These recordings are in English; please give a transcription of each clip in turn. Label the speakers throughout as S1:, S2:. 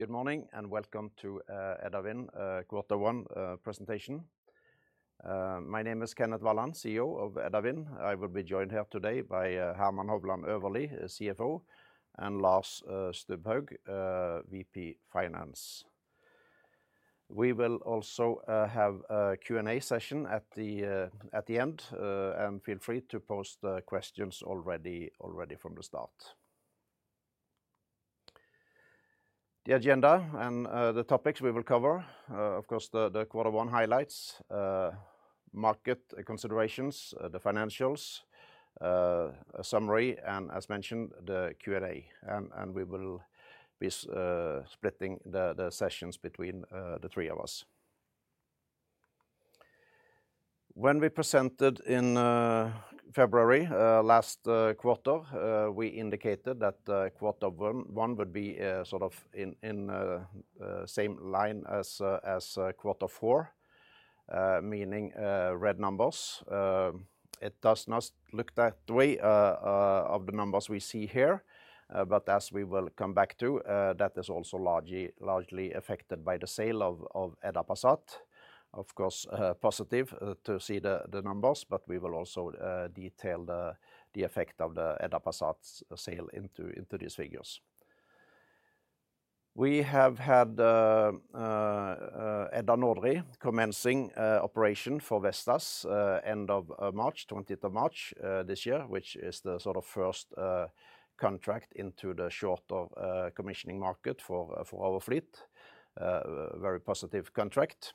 S1: Good morning, and welcome to Edda Wind quarter one presentation. My name is Kenneth Walland, CEO of Edda Wind. I will be joined here today by Herman Hovland Øverli, CFO, and Lars Stubhaug, VP Finance. We will also have a Q&A session at the end, and feel free to post the questions already from the start. The agenda and the topics we will cover, of course, the quarter one highlights, market considerations, the financials, a summary, and as mentioned, the Q&A. We will be splitting the sessions between the three of us. When we presented in February last quarter, we indicated that quarter one would be sort of in the same line as quarter four, meaning red numbers. It does not look that way of the numbers we see here, but as we will come back to, that is also largely affected by the sale of Edda Passat. Of course, positive to see the numbers, but we will also detail the effect of the Edda Passat sale into these figures. We have had Edda Nordri commencing operation for Vestas end of March 20th of March this year, which is the sort of first contract into the shorter commissioning market for our fleet. Very positive contract.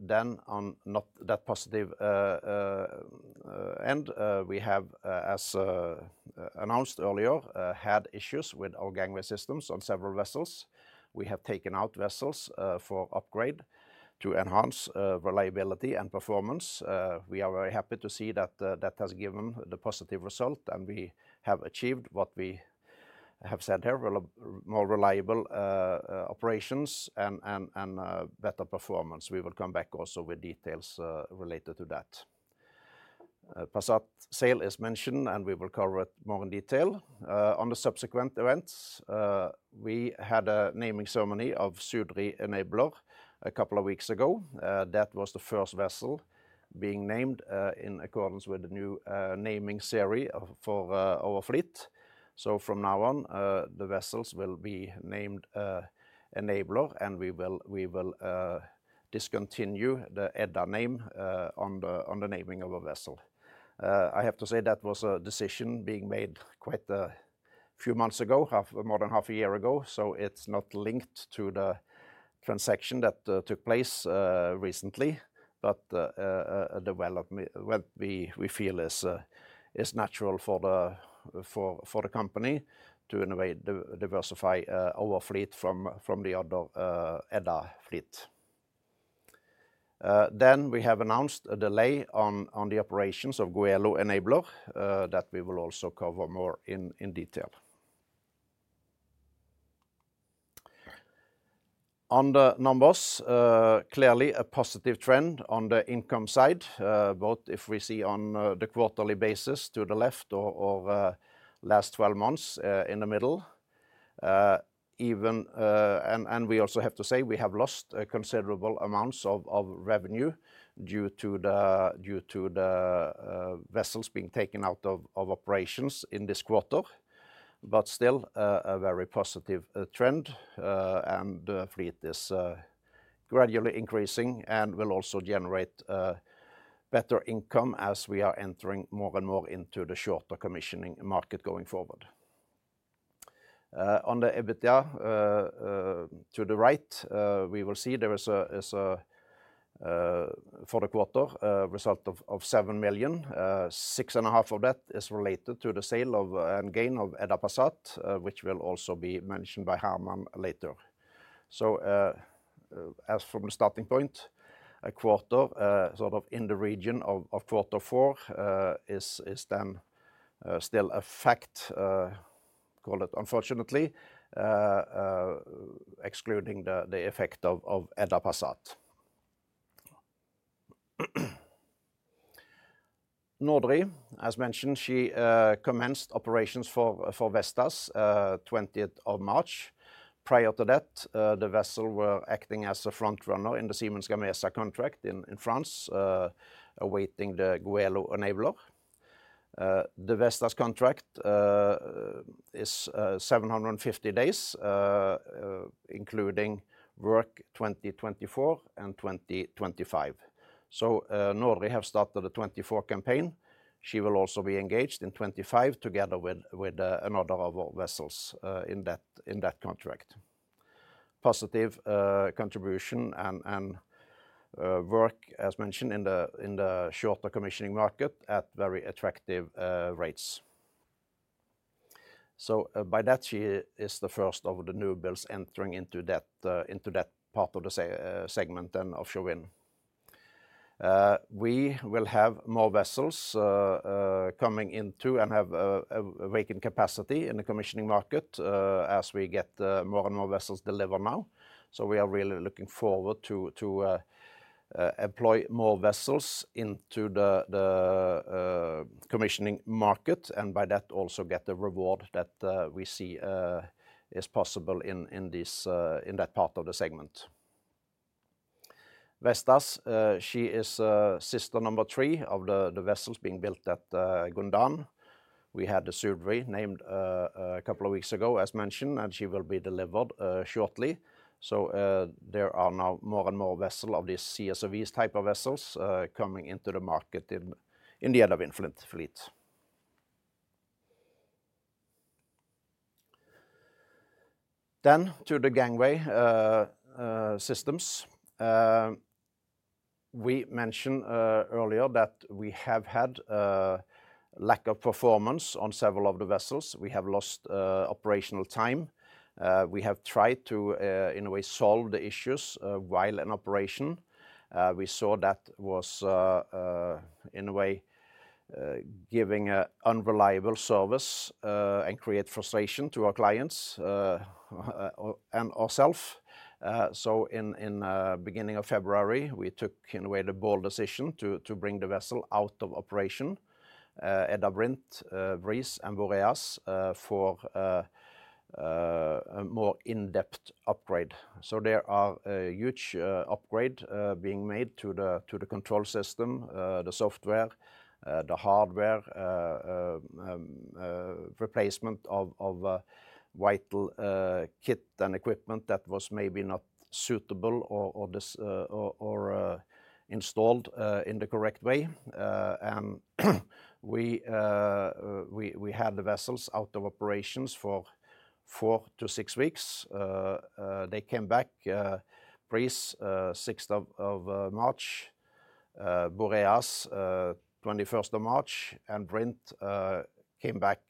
S1: Then on not that positive end, we have, as announced earlier, had issues with our gangway systems on several vessels. We have taken out vessels for upgrade to enhance reliability and performance. We are very happy to see that that has given the positive result, and we have achieved what we have said here, more reliable operations and better performance. We will come back also with details related to that. Passat sale is mentioned, and we will cover it more in detail. On the subsequent events, we had a naming ceremony of Sudri Enabler a couple of weeks ago. That was the first vessel being named in accordance with the new naming series for our fleet. So from now on, the vessels will be named Enabler, and we will discontinue the Edda name on the naming of a vessel. I have to say that was a decision being made quite a few months ago, more than half a year ago, so it's not linked to the transaction that took place recently. But a development what we feel is natural for the company to innovate, diversify our fleet from the other Edda fleet. Then we have announced a delay on the operations of Goelo Enabler that we will also cover more in detail. On the numbers, clearly a positive trend on the income side, both if we see on the quarterly basis to the left or last 12 months in the middle. And we also have to say we have lost considerable amounts of revenue due to the vessels being taken out of operations in this quarter, but still a very positive trend. And the fleet is gradually increasing and will also generate better income as we are entering more and more into the shorter commissioning market going forward. On the EBITDA to the right, we will see there is a for the quarter a result of 7 million. 6.5 of that is related to the sale of, and gain of Edda Passat, which will also be mentioned by Herman later. So, as from the starting point, a quarter, sort of in the region of quarter four, is then still a fact, call it unfortunately, excluding the effect of Edda Passat. Nordri, as mentioned, she commenced operations for Vestas, 20th of March. Prior to that, the vessel were acting as a front runner in the Siemens Gamesa contract in France, awaiting the Goelo Enabler. The Vestas contract is 750 days, including work 2024 and 2025. So, Nordri have started a 2024 campaign. She will also be engaged in 2025, together with, with, another of our vessels, in that, in that contract. Positive, contribution and, and, work, as mentioned, in the, in the shorter commissioning market at very attractive, rates. So, by that, she is the first of the new builds entering into that, into that part of the segment then offshore wind. We will have more vessels, coming in too, and have a vacant capacity in the commissioning market, as we get, more and more vessels delivered now. So we are really looking forward to, to, employ more vessels into the, the, commissioning market, and by that, also get the reward that, we see, is possible in, in this, in that part of the segment. Vestas, she is sister number three of the vessels being built at Gondán. We had the Sudri named a couple of weeks ago, as mentioned, and she will be delivered shortly. So, there are now more and more vessel of these CSOV type of vessels coming into the market in the Edda Wind fleet. Then to the gangway systems. We mentioned earlier that we have had lack of performance on several of the vessels. We have lost operational time. We have tried to, in a way, solve the issues while in operation. We saw that was, in a way, giving an unreliable service, and create frustration to our clients, and ourselves. So in the beginning of February, we took, in a way, the bold decision to bring the vessel out of operation, Edda Brint, Edda Breeze and Edda Boreas, for a more in-depth upgrade. So there are a huge upgrade being made to the control system, the software, the hardware, replacement of vital kit and equipment that was maybe not suitable or installed in the correct way. And we had the vessels out of operations for four to six weeks. They came back, Edda Breeze sixth of March, Edda Boreas twenty-first of March, and Edda Brint came back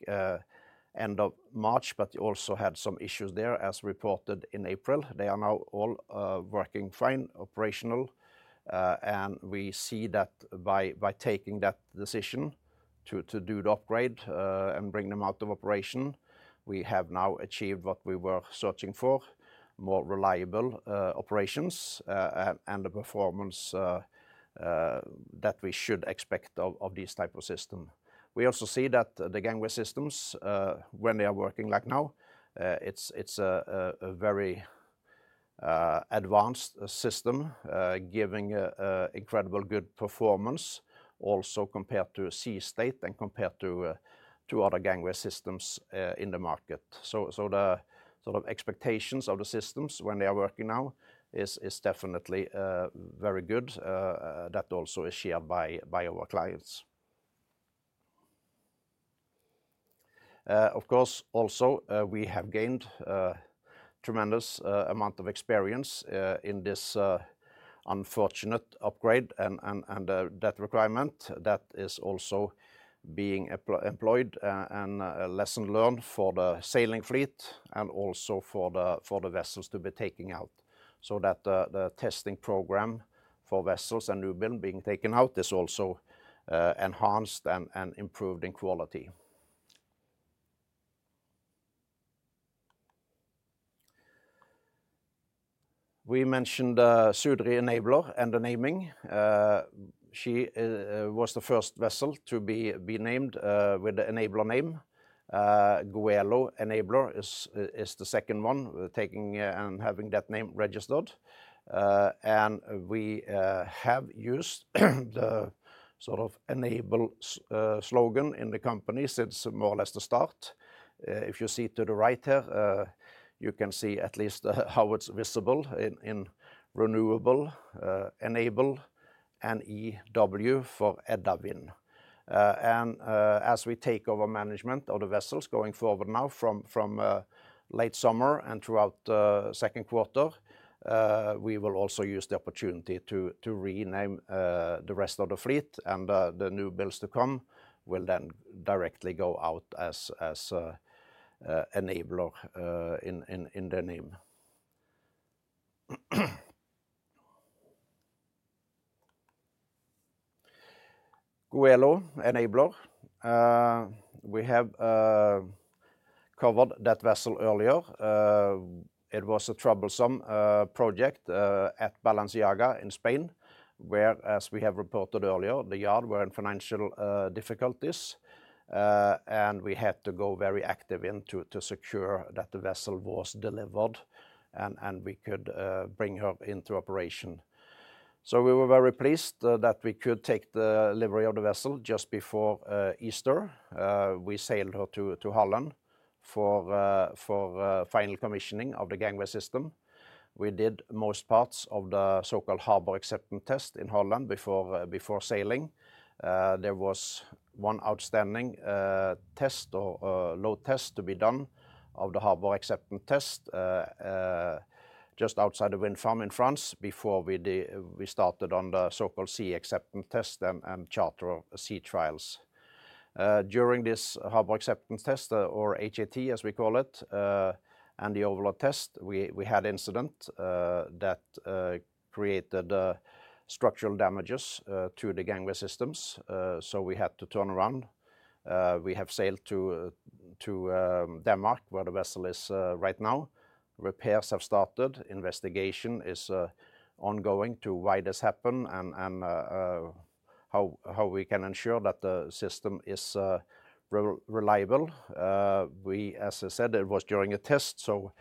S1: end of March, but also had some issues there, as reported in April. They are now all working fine, operational, and we see that by taking that decision to do the upgrade and bring them out of operation, we have now achieved what we were searching for: more reliable operations and the performance that we should expect of this type of system. We also see that the gangway systems when they are working like now, it's a very advanced system giving a incredible good performance, also compared to sea state and compared to other gangway systems in the market. So the sort of expectations of the systems when they are working now is definitely very good. That also is shared by our clients. Of course, also, we have gained a tremendous amount of experience in this unfortunate upgrade and, and, and, that requirement, that is also being employed, and a lesson learned for the sailing fleet and also for the vessels to be taking out. So that the testing program for vessels and new build being taken out is also enhanced and improved in quality. We mentioned Sudri Enabler and the naming. She was the first vessel to be named with the Enabler name. Goelo Enabler is the second one, taking and having that name registered. And we have used the sort of Enabler slogan in the company since more or less the start. If you see to the right here, you can see at least how it's visible in renewables, Enabler, and EW for Edda Wind. As we take over management of the vessels going forward now from late summer and throughout the second quarter, we will also use the opportunity to rename the rest of the fleet, and the new builds to come will then directly go out as Enabler in their name. Goelo Enabler, we have covered that vessel earlier. It was a troublesome project at Balenciaga in Spain, where, as we have reported earlier, the yard were in financial difficulties. And we had to go very active into to secure that the vessel was delivered, and we could bring her into operation. So we were very pleased that we could take the delivery of the vessel just before Easter. We sailed her to Holland for final commissioning of the gangway system. We did most parts of the so-called Harbor Acceptance Test in Holland before sailing. There was one outstanding test or load test to be done of the Harbor Acceptance Test just outside the wind farm in France, before we started on the so-called Sea Acceptance Test and charter sea trials. During this harbor acceptance test, or HAT, as we call it, and the overload test, we had an incident that created structural damages to the gangway systems. So we had to turn around. We have sailed to Denmark, where the vessel is right now. Repairs have started. Investigation is ongoing to why this happened, and how we can ensure that the system is reliable. As I said, it was during a test, so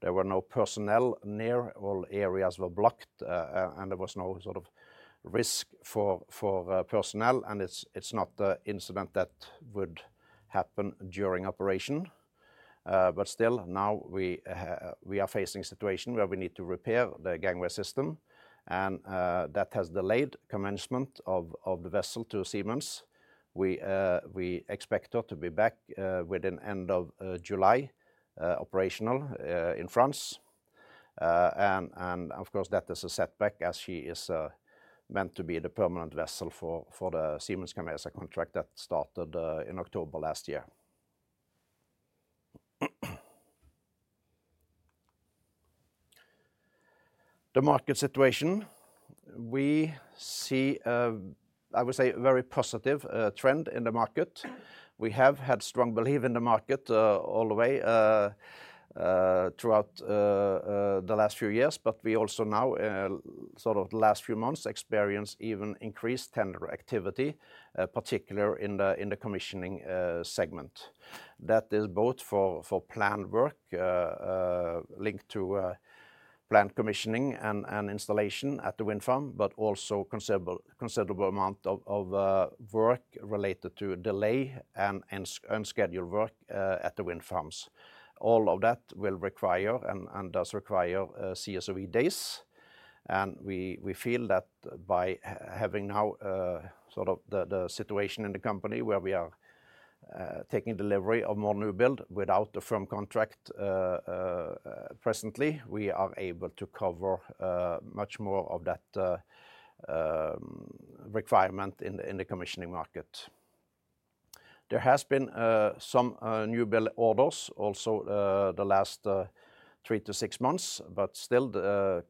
S1: there were no personnel near. All areas were blocked, and there was no sort of risk for personnel, and it's not an incident that would happen during operation. But still, now we are facing a situation where we need to repair the gangway system, and that has delayed commencement of the vessel to Siemens. We expect her to be back within end of July operational in France. And of course, that is a setback as she is meant to be the permanent vessel for the Siemens Gamesa contract that started in October last year. The market situation. We see, I would say, a very positive trend in the market. We have had strong belief in the market all the way throughout the last few years, but we also now sort of the last few months experienced even increased tender activity particular in the commissioning segment. That is both for planned work linked to planned commissioning and installation at the wind farm, but also considerable amount of work related to delay and scheduled work at the wind farms. All of that will require and does require CSOV days, and we feel that by having now sort of the situation in the company where we are taking delivery of more new build without a firm contract presently, we are able to cover much more of that requirement in the commissioning market. There has been some new build orders also the last three to six months, but still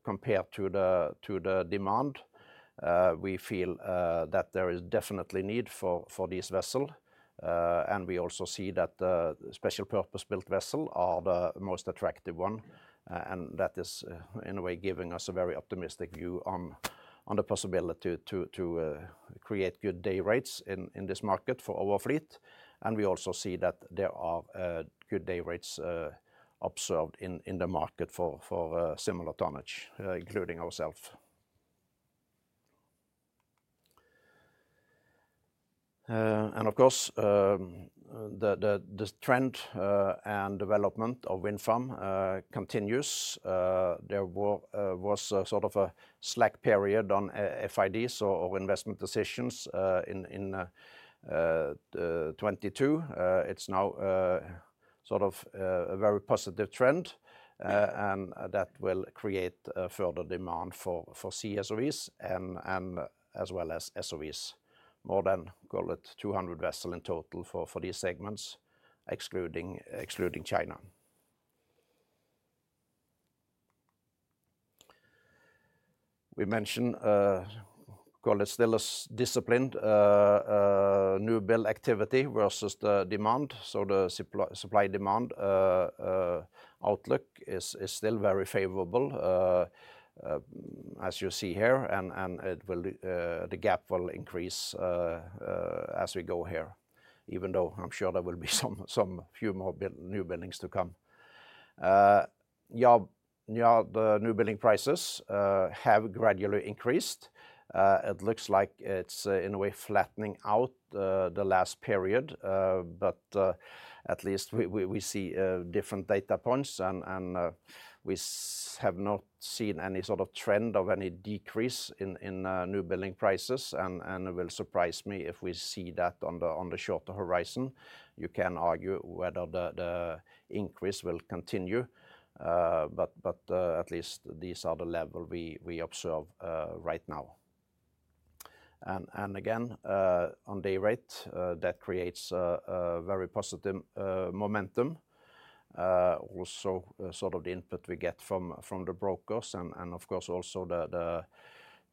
S1: compared to the demand we feel that there is definitely need for this vessel. And we also see that special purpose-built vessel are the most attractive one, and that is, in a way, giving us a very optimistic view on the possibility to create good day rates in this market for our fleet. And we also see that there are good day rates observed in the market for similar tonnage, including ourself. And of course, the trend and development of wind farm continues. There was a sort of a slack period on FIDs or investment decisions in 2022. It's now sort of a very positive trend, and that will create a further demand for CSOVs and as well as SOVs. More than, call it, 200 vessels in total for these segments, excluding China. We mentioned, call it still a disciplined new build activity versus the demand, so the supply-demand outlook is still very favorable, as you see here, and it will, the gap will increase as we go here, even though I'm sure there will be some few more newbuildings to come. Yard newbuilding prices have gradually increased. It looks like it's in a way flattening out the last period, but at least we see different data points and we have not seen any sort of trend of any decrease in newbuilding prices, and it will surprise me if we see that on the shorter horizon. You can argue whether the increase will continue, but at least these are the level we observe right now. And again, on day rate, that creates a very positive momentum. Also, sort of the input we get from the brokers and, of course also the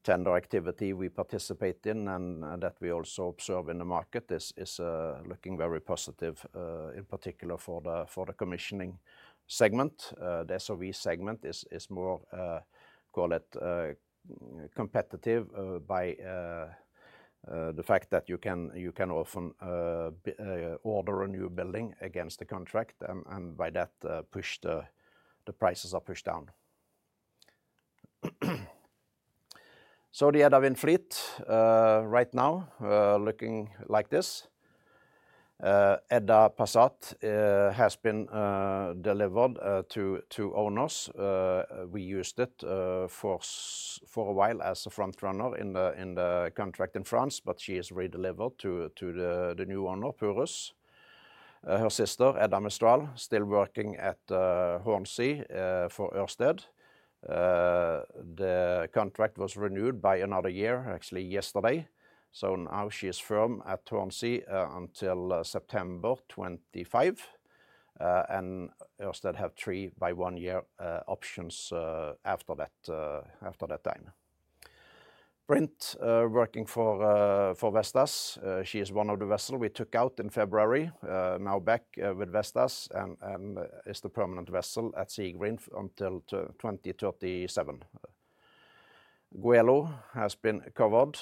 S1: tender activity we participate in and that we also observe in the market is looking very positive, in particular for the commissioning segment. The SOV segment is more, call it, competitive, by the fact that you can often order a new building against the contract, and by that, push the prices are pushed down. So the Edda Wind fleet right now looking like this. Edda Passat has been delivered to owners. We used it for a while as a front runner in the contract in France, but she is redelivered to the new owner, Purus. Her sister, Edda Mistral, still working at Hornsea for Ørsted. The contract was renewed by another year, actually yesterday, so now she is firm at Hornsea until September 2025. And Ørsted have three by one year options after that, after that time. Brint working for Vestas. She is one of the vessel we took out in February, now back with Vestas and is the permanent vessel at Seagreen until 2037. Goelo has been covered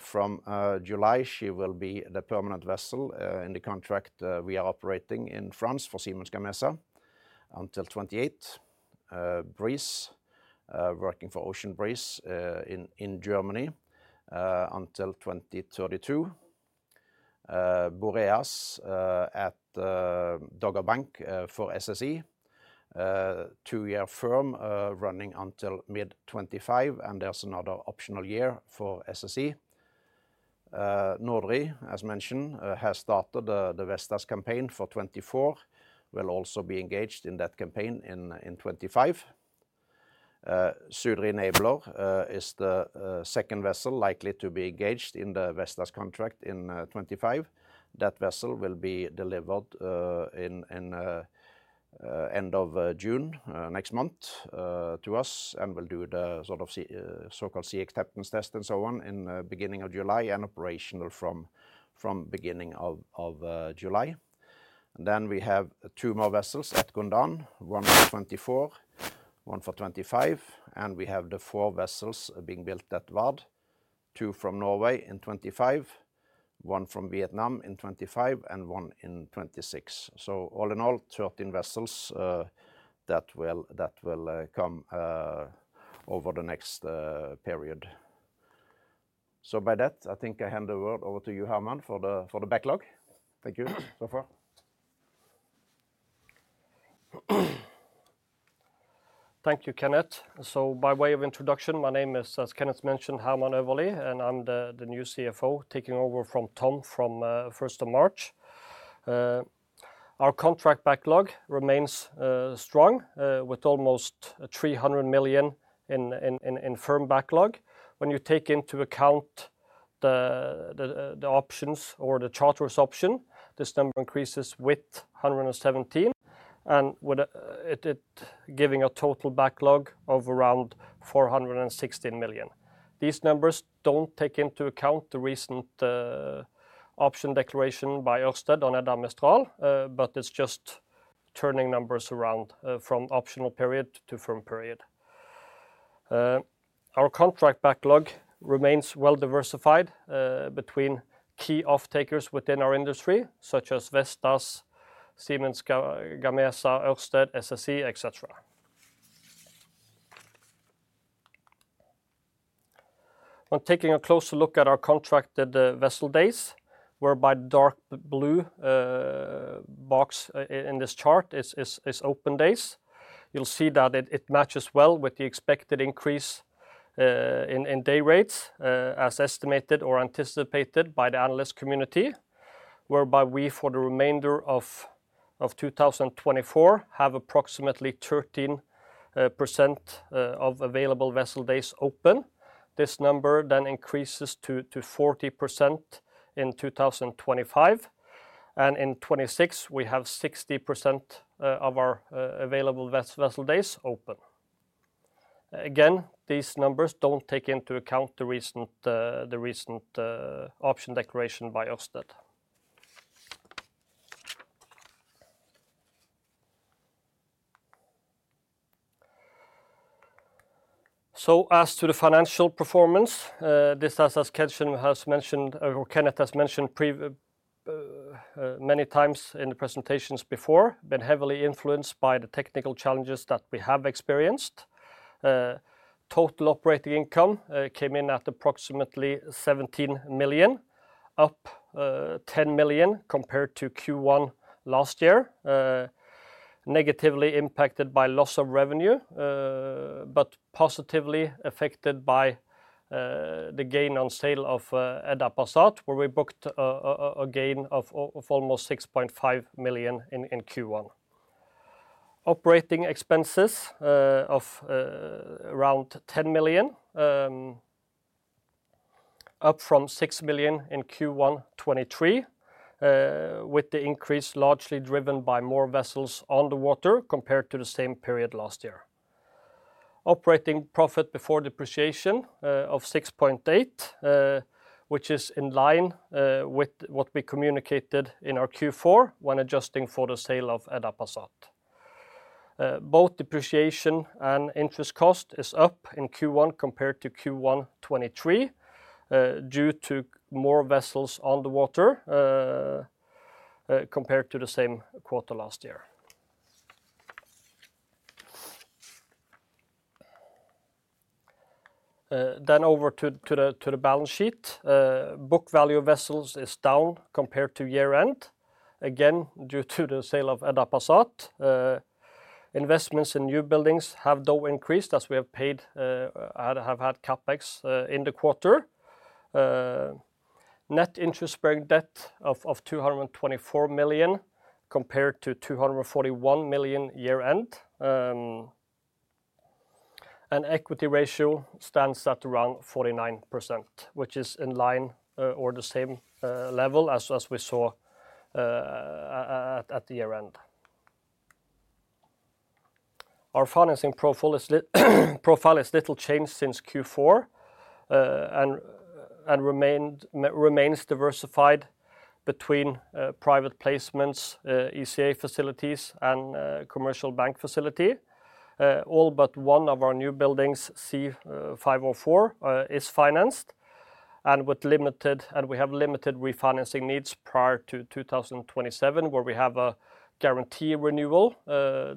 S1: from July. She will be the permanent vessel in the contract we are operating in France for Siemens Gamesa until 2028. Breeze working for Ocean Breeze in Germany until 2032. Boreas at Dogger Bank for SSE. two year firm running until mid-2025, and there's another optional year for SSE. Nordri, as mentioned, has started the Vestas campaign for 2024, will also be engaged in that campaign in 2025. Sudri Enabler is the second vessel likely to be engaged in the Vestas contract in 2025. That vessel will be delivered in end of June next month to us, and we'll do the sort of so-called sea acceptance test and so on in beginning of July, and operational from beginning of July. And then we have two more vessels at Gondán, one for 2024, one for 2025, and we have the four vessels being built at VARD. Two from Norway in 2025, one from Vietnam in 2025, and one in 2026. So all in all, 13 vessels that will come over the next period. So by that, I think I hand the word over to you, Herman, for the backlog. Thank you so far.
S2: Thank you, Kenneth. By way of introduction, my name is, as Kenneth mentioned, Herman Øverli, and I'm the new CFO, taking over from Tom from first of March. Our contract backlog remains strong with almost 300 million in firm backlog. When you take into account the options or the charterers option, this number increases with 117, and with it giving a total backlog of around 416 million. These numbers don't take into account the recent option declaration by Ørsted on Edda Mistral, but it's just turning numbers around from optional period to firm period. Our contract backlog remains well diversified between key off-takers within our industry, such as Vestas, Siemens Gamesa, Ørsted, SSE, et cetera. When taking a closer look at our contracted vessel days, whereby dark blue box in this chart is open days, you'll see that it matches well with the expected increase in day rates as estimated or anticipated by the analyst community. Whereby we, for the remainder of 2024, have approximately 13% of available vessel days open. This number then increases to 40% in 2025, and in 2026, we have 60% of our available vessel days open. Again, these numbers don't take into account the recent option declaration by Ørsted. As to the financial performance, this, as Kenneth has mentioned many times in the presentations before, been heavily influenced by the technical challenges that we have experienced. Total operating income came in at approximately 17 million, up 10 million compared to Q1 last year. Negatively impacted by loss of revenue, but positively affected by the gain on sale of Edda Passat, where we booked a gain of almost 6.5 million in Q1. Operating expenses of around 10 million, up from 6 million in Q1 2023, with the increase largely driven by more vessels on the water compared to the same period last year. Operating profit before depreciation of 6.8, which is in line with what we communicated in our Q4 when adjusting for the sale of Edda Passat. Both depreciation and interest cost is up in Q1 compared to Q1 2023, due to more vessels on the water compared to the same quarter last year. Then over to the balance sheet. Book value of vessels is down compared to year-end, again, due to the sale of Edda Passat. Investments in new buildings have, though, increased as we have had CapEx in the quarter. Net interest bearing debt of 224 million, compared to 241 million year-end. Equity ratio stands at around 49%, which is in line, or the same level as we saw at the year-end. Our financing profile is little changed since Q4, and remains diversified between private placements, ECA facilities, and commercial bank facility. All but one of our new buildings, C504, is financed, and we have limited refinancing needs prior to 2027, where we have a guarantee renewal.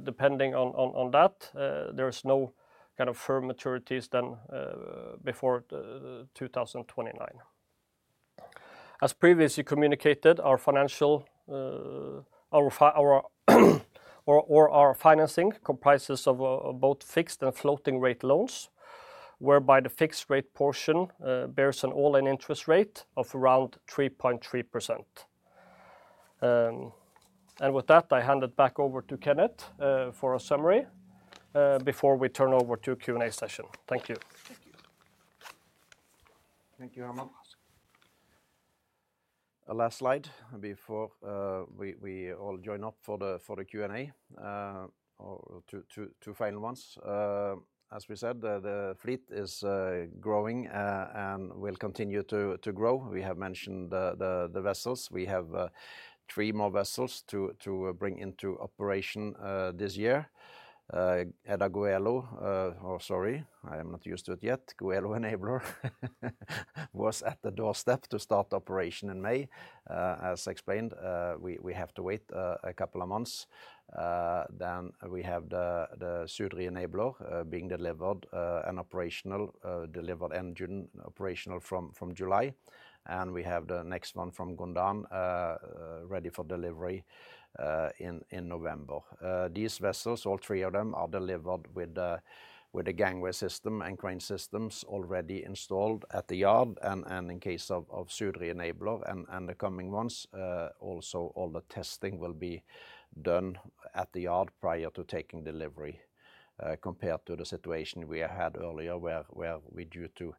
S2: Depending on that, there is no kind of firm maturities then before 2029. As previously communicated, our financing comprises of both fixed and floating rate loans, whereby the fixed rate portion bears an all-in interest rate of around 3.3%. With that, I hand it back over to Kenneth for a summary before we turn over to Q&A session. Thank you.
S1: Thank you, Herman. A last slide before we all join up for the Q&A. Or two final ones. As we said, the fleet is growing and will continue to grow. We have mentioned the vessels. We have three more vessels to bring into operation this year. Edda Goelo, or sorry, I am not used to it yet. Goelo Enabler was at the doorstep to start operation in May. As explained, we have to wait a couple of months. Then we have the Sudri Enabler being delivered and operational, delivered in June, operational from July. And we have the next one from Gondán ready for delivery in November. These vessels, all three of them, are delivered with the gangway system and crane systems already installed at the yard, and in case of Sudri Enabler and the coming months, also all the testing will be done at the yard prior to taking delivery. Compared to the situation we had earlier, where we due to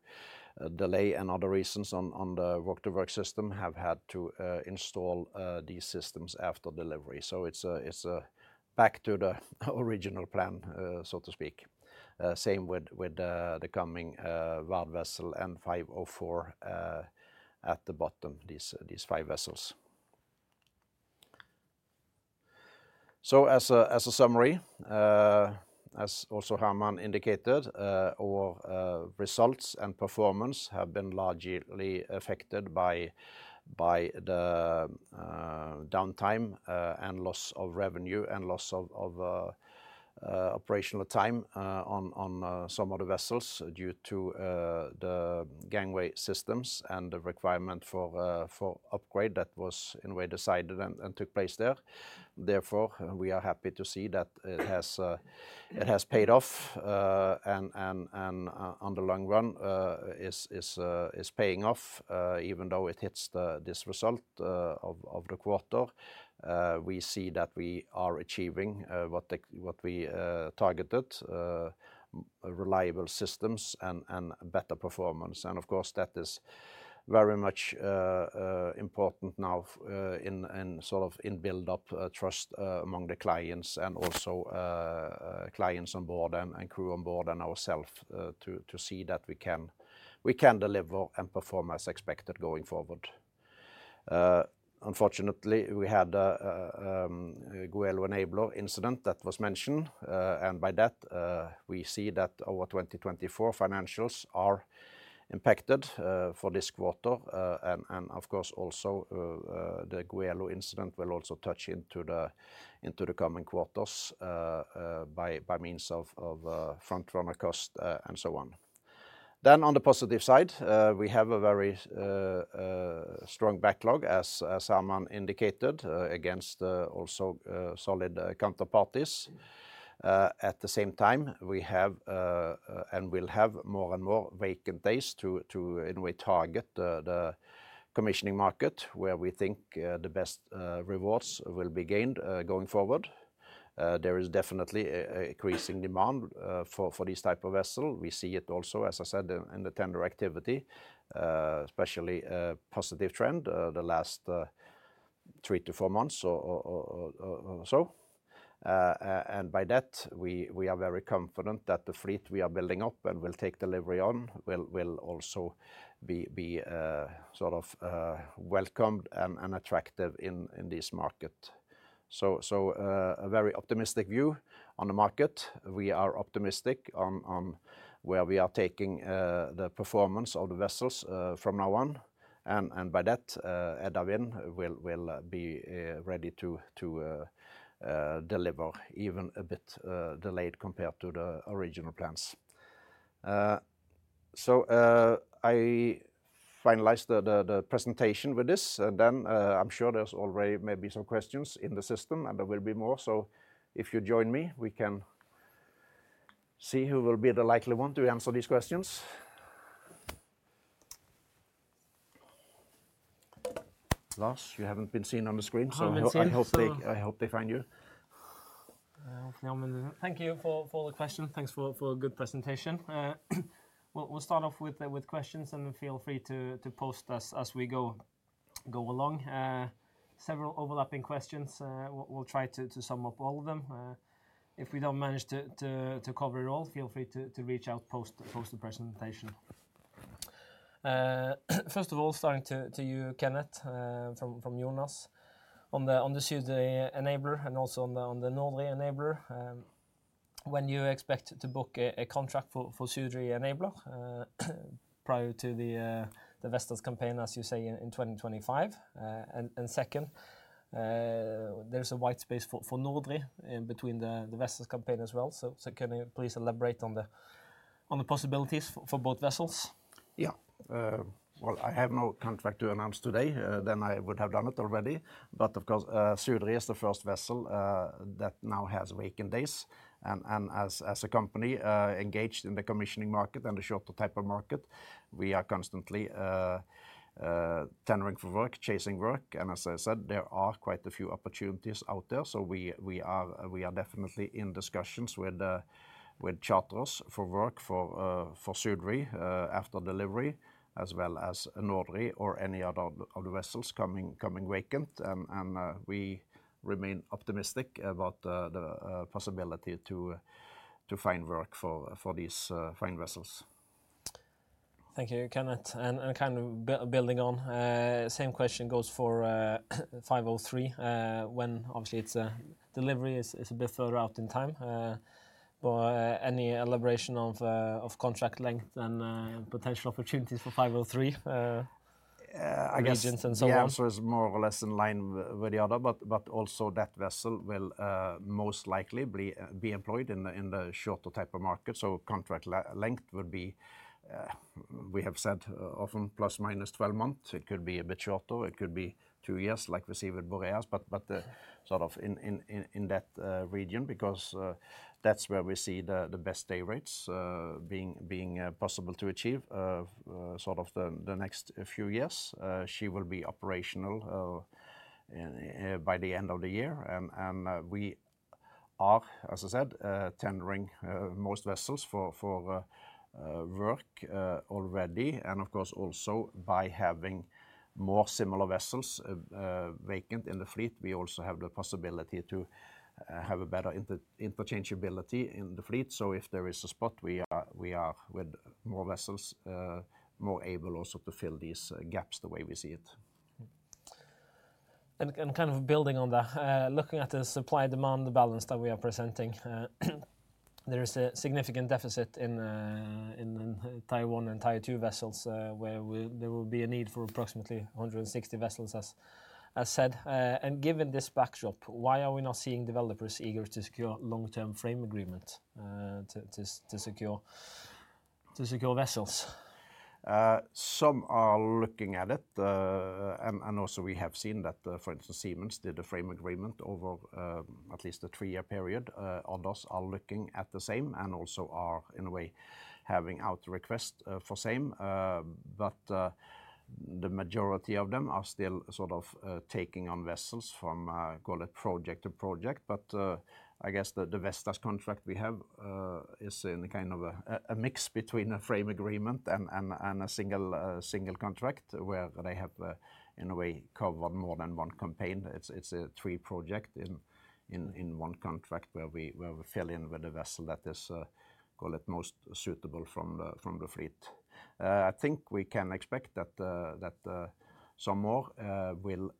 S1: delay and other reasons on the walk-to-work system, have had to install these systems after delivery. So it's back to the original plan, so to speak. Same with the coming SOV vessel and C504 at the bottom, these five vessels. So as a summary, as also Herman indicated, our results and performance have been largely affected by the downtime and loss of revenue, and loss of operational time on some of the vessels due to the gangway systems and the requirement for upgrade that was in a way decided and took place there. Therefore, we are happy to see that it has paid off and on the long run is paying off, even though it hits this result of the quarter. We see that we are achieving what we targeted, reliable systems and better performance. Of course, that is very much important now, in, in sort of, in build up, trust, among the clients and also, clients on board and, and crew on board and ourselves, to, to see that we can, we can deliver and perform as expected going forward. Unfortunately, we had a Goelo Enabler incident that was mentioned, and by that, we see that our 2024 financials are impacted, for this quarter. And, and of course, also, the Goelo incident will also touch into the, into the coming quarters, by, by means of, of, front runner cost, and so on. On the positive side, we have a very strong backlog, as, as Herman indicated, against, also, solid, counterparties. At the same time, we have and will have more and more vacant days to, in a way, target the commissioning market, where we think the best rewards will be gained going forward. There is definitely a increasing demand for this type of vessel. We see it also, as I said, in the tender activity, especially a positive trend the last three to four months or so. And by that, we are very confident that the fleet we are building up and will take delivery on will also be sort of welcomed and attractive in this market. So a very optimistic view on the market. We are optimistic on, on where we are taking, the performance of the vessels, from now on. And, and by that, Edda Wind will, will, be, ready to, to, deliver even a bit, delayed compared to the original plans. So, I finalize the, the, the presentation with this, and then, I'm sure there's already maybe some questions in the system, and there will be more. So if you join me, we can see who will be the likely one to answer these questions.
S2: Lars, you haven't been seen on the screen-
S3: I haven't been seen, so-...
S2: I hope they, I hope they find you. Thank you for the question. Thanks for a good presentation. We'll start off with the questions, and feel free to post as we go along....
S3: several overlapping questions. We'll try to sum up all of them. If we don't manage to cover it all, feel free to reach out post the presentation. First of all, starting to you, Kenneth, from Jonas on the Sudri Enabler and also on the Nordri Enabler. When you expect to book a contract for Sudri Enabler prior to the Vestas campaign, as you say, in 2025? And second, there's a wide space for Nordri in between the Vestas campaign as well. So can you please elaborate on the possibilities for both vessels?
S1: Yeah. Well, I have no contract to announce today, then I would have done it already. But of course, Sudri is the first vessel that now has vacant days. And as a company engaged in the commissioning market and the charter type of market, we are constantly tendering for work, chasing work. And as I said, there are quite a few opportunities out there. So we are definitely in discussions with charterers for work for Sudri after delivery, as well as Nordri or any other of the vessels coming vacant. And we remain optimistic about the possibility to find work for these fine vessels.
S3: Thank you, Kenneth. And kind of building on, same question goes for 503, when obviously its delivery is a bit further out in time. But any elaboration of contract length and potential opportunities for 503-
S1: I guess-
S3: regions and so on?...
S1: the answer is more or less in line with the other, but also that vessel will most likely be employed in the charter type of market. So contract length would be, we have said, often ±12 months. It could be a bit shorter, or it could be two years, like we see with Boreas. But sort of in that region, because that's where we see the best day rates being possible to achieve, sort of the next few years. She will be operational by the end of the year. And we are, as I said, tendering most vessels for work already. Of course, also by having more similar vessels vacant in the fleet, we also have the possibility to have a better interchangeability in the fleet. So if there is a spot, we are with more vessels more able also to fill these gaps the way we see it.
S3: Mm-hmm. And kind of building on that, looking at the supply-demand balance that we are presenting, there is a significant deficit in Tier One and Tier Two vessels, where there will be a need for approximately 160 vessels, as said. And given this backdrop, why are we not seeing developers eager to secure long-term frame agreement to secure vessels?
S1: Some are looking at it. And also we have seen that, for instance, Siemens did a frame agreement over at least a three-year period. Others are looking at the same and also are, in a way, having out request for same. But the majority of them are still sort of taking on vessels from call it project to project. But I guess the Vestas contract we have is in kind of a mix between a frame agreement and a single contract, where they have, in a way, covered more than one campaign. It's a three project in one contract, where we fill in with a vessel that is call it most suitable from the fleet. I think we can expect that some more will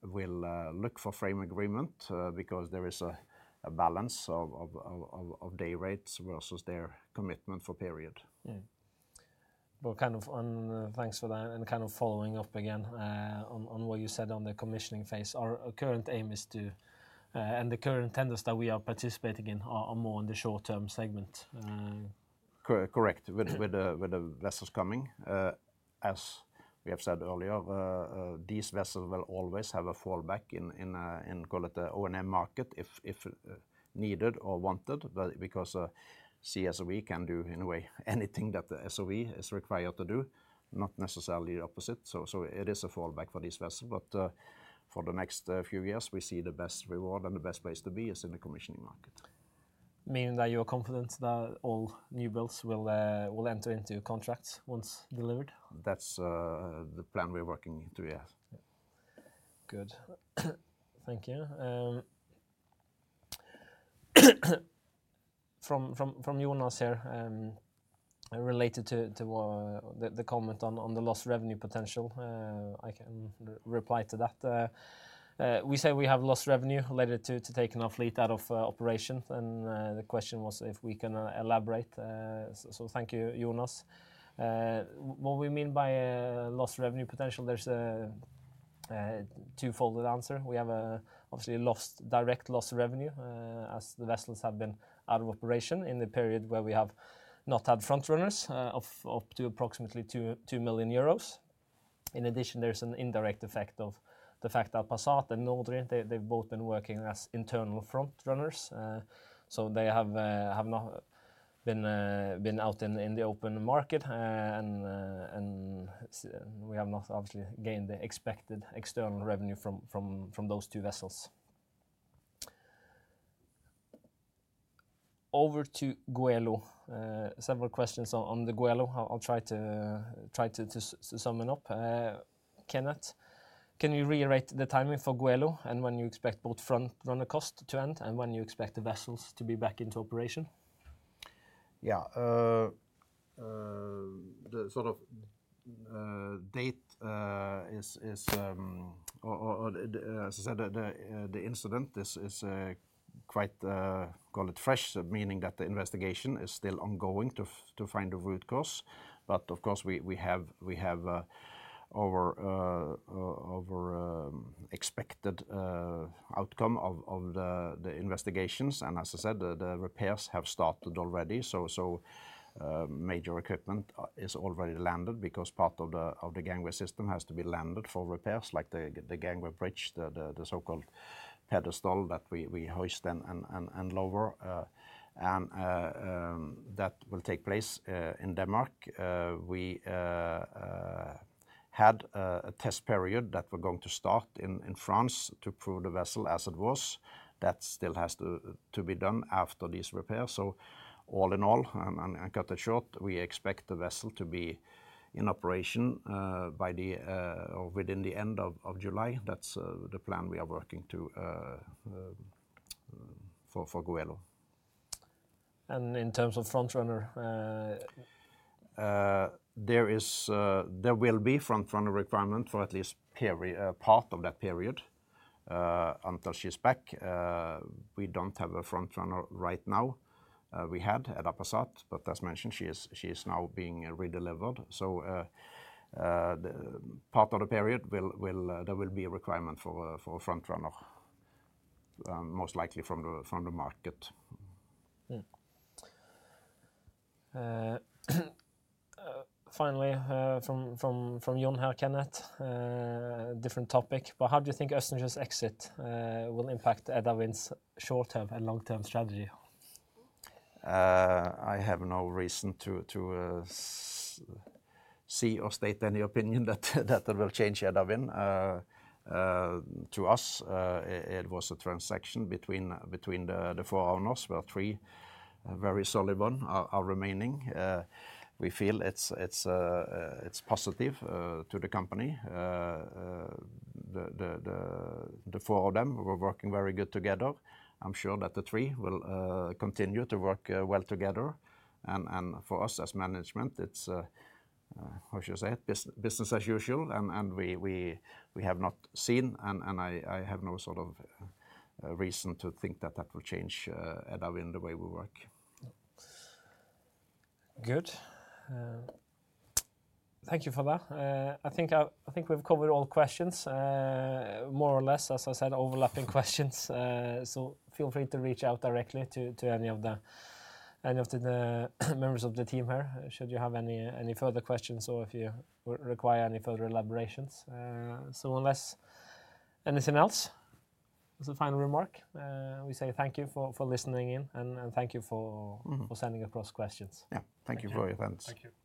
S1: look for frame agreement because there is a balance of day rates versus their commitment for period.
S3: Yeah. But kind of on... Thanks for that. Kind of following up again, on what you said on the commissioning phase. Our current aim is to, and the current tenders that we are participating in are more on the short-term segment,
S1: Correct. With the vessels coming, as we have said earlier, these vessels will always have a fallback in call it a O&M market, if needed or wanted, but because CSOV can do, in a way, anything that the SOV is required to do, not necessarily the opposite. So it is a fallback for these vessels, but for the next few years, we see the best reward and the best place to be is in the commissioning market.
S3: Meaning that you are confident that all new builds will enter into contracts once delivered?
S1: That's the plan we're working to, yes.
S3: Good. Thank you. From Jonas here, related to the comment on the lost revenue potential, I can reply to that. We say we have lost revenue related to taking our fleet out of operation, and the question was if we can elaborate. So thank you, Jonas. What we mean by lost revenue potential, there's a twofold answer. We have obviously lost direct revenue, as the vessels have been out of operation in the period where we have not had front runners, of up to approximately 2 million euros. In addition, there's an indirect effect of the fact that Passat and Nordri, they've both been working as internal front runners. So they have not been out in the open market. We have not obviously gained the expected external revenue from those two vessels. Over to Goelo, several questions on the Goelo. I'll try to sum it up. Kenneth, can you reiterate the timing for Goelo and when you expect both front runner cost to end and when you expect the vessels to be back into operation?
S1: Yeah. The sort of date is or the, as I said, the incident, this is quite, call it fresh, meaning that the investigation is still ongoing to find a root cause. But of course, we have our expected outcome of the investigations. And as I said, the repairs have started already, so major equipment is already landed because part of the gangway system has to be landed for repairs, like the gangway bridge, the so-called pedestal that we hoist and lower. And that will take place in Denmark. We had a test period that we're going to start in France to prove the vessel as it was. That still has to be done after this repair. So all in all, I cut it short, we expect the vessel to be in operation by the... or within the end of July. That's the plan we are working to for Goelo.
S3: In terms of front runner,
S1: There will be front runner requirement for at least part of that period, until she's back. We don't have a front runner right now. We had at Passat, but as mentioned, she is now being redelivered. So, the part of the period will... there will be a requirement for a front runner, most likely from the market.
S3: Finally, from John here, Kenneth, different topic, but how do you think Østensjø's exit will impact Edda Wind's short-term and long-term strategy?
S1: I have no reason to see or state any opinion that will change Edda Wind. To us, it was a transaction between the four owners. Well, three very solid ones are remaining. We feel it's positive to the company. The four of them were working very good together. I'm sure that the three will continue to work well together, and for us as management, it's, how should I say it? Business as usual, and we have not seen, and I have no sort of reason to think that that will change Edda Wind, the way we work.
S3: Good. Thank you for that. I think we've covered all questions, more or less, as I said, overlapping questions. So feel free to reach out directly to any of the members of the team here, should you have any further questions or if you require any further elaborations. So unless anything else as a final remark, we say thank you for listening in, and thank you for-
S1: Mm-hmm...
S3: for sending across questions.
S1: Yeah. Thank you for your attendance.
S2: Thank you.
S1: Bye.